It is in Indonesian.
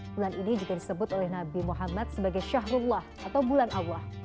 bulan ini juga disebut oleh nabi muhammad sebagai syahrullah atau bulan allah